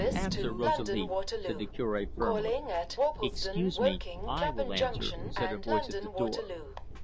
"Answer, Rosalie," said the Cure firmly. "Excuse me; I will answer," said a voice at the door.